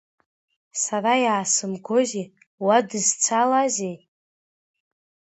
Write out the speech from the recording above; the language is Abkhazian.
Сара иаасымгози, уадызцалазеи?